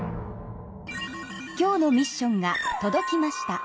今日のミッションがとどきました。